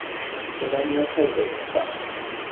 手紙を書いて送った。